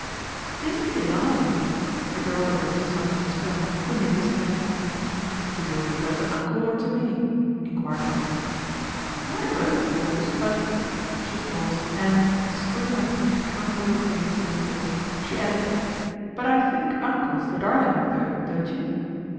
" Isn't he a darling ?" The girl addressed her self to Miss Brent, who merely stared. " Do you refer to Uncle or to me ?" enquired Elton. " Why both, of course ; but " she paused and, screwing up her piquante little face in thought she added, " but I think Uncle's the darlingei though, don't you